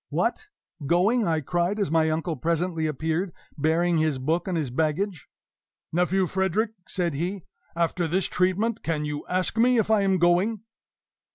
"What! going?" I cried, as my uncle presently appeared, bearing his book and his baggage. "Nephew Frederick," said he, "after this treatment, can you ask me if I am going?"